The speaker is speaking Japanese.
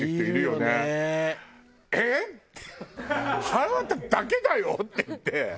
「はらわただけだよ？」って言って。